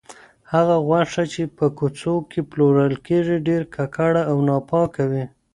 هغه غوښه چې په کوڅو کې پلورل کیږي، ډېره ککړه او ناپاکه وي.